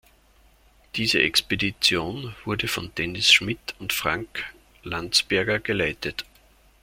Diese Expedition wurde von Dennis Schmitt und Frank Landsberger geleitet.